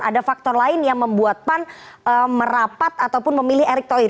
ada faktor lain yang membuat pan merapat ataupun memilih erick thohir